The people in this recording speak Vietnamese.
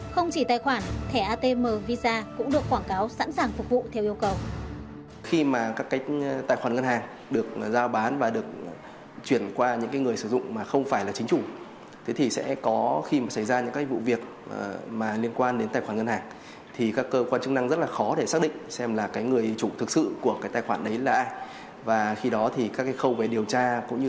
không chỉ tài khoản thẻ atm visa cũng được quảng cáo sẵn sàng phục vụ theo yêu cầu